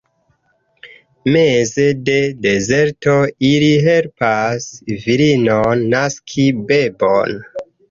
Meze de dezerto, ili helpas virinon naski bebon.